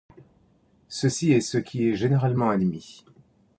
Ceci est ce qui est généralement admis.